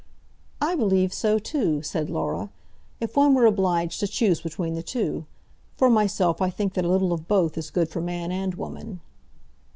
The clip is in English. "I believe so too," said Laura, "if one were obliged to choose between the two. For myself, I think that a little of both is good for man and woman."